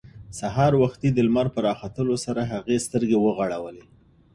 سهار وختي د لمر په راختلو سره هغې سترګې وغړولې.